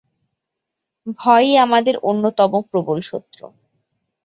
ভয়ই আমাদের অন্যতম প্রবল শত্রু।